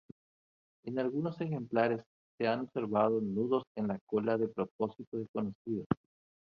En algunos ejemplares se han observado nudos en la cola de propósito desconocido.